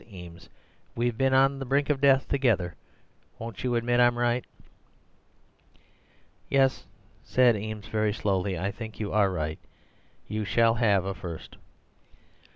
Eames, we've been to the brink of death together; won't you admit I'm right?' "'Yes,' said Eames very slowly, 'I think you are right. You shall have a First!